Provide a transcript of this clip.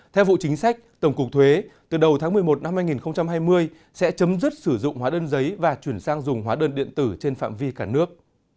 theo vụ chính sách tổng cục thuế từ đầu tháng một mươi một năm hai nghìn hai mươi sẽ chấm dứt sử dụng hóa đơn giấy và chuyển sang dùng hóa đơn điện tử trên phạm vi cả nước